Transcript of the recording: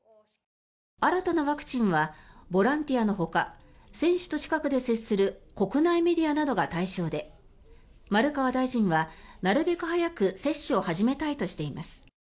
新たなワクチンはボランティアのほか選手と近くで接する国内メディアなどが対象で丸川大臣はなるべく早く接種を始めたいとしています。